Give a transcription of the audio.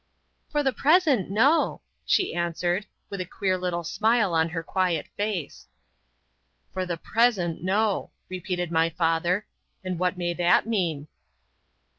"For the present, no!" she answered, with a queer little smile on her quiet face. "For the present, no." repeated my father; "and what may that mean?"